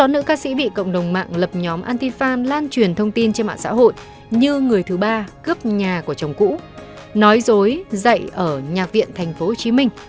nữ ca sĩ bị cộng đồng mạng lập nhóm anti fan lan truyền thông tin trên mạng xã hội như người thứ ba cướp nhà của chồng cũ nói dối dậy ở nhạc viện tp hcm